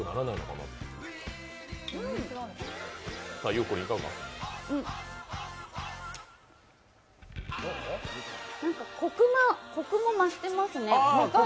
なんかコクも増してますね。